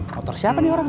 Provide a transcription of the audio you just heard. motor siapa nih orang ini